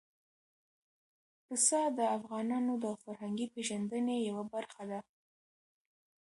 پسه د افغانانو د فرهنګي پیژندنې یوه برخه ده.